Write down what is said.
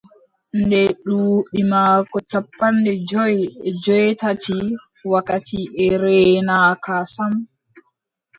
Nde duuɓi maako cappanɗe jowi e joweetati, wakkati e reenaaka sam,